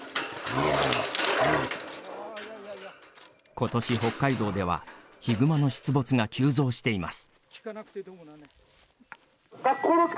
ことし北海道ではヒグマの出没が急増しています。